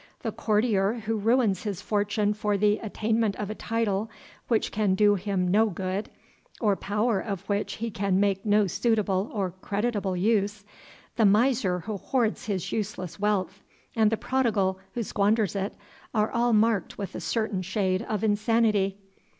The courtier who ruins his fortune for the attainment of a title which can do him no good, or power of which he can make no suitable or creditable use, the miser who hoards his useless wealth, and the prodigal who squanders it, are all marked with a certain shade of insanity.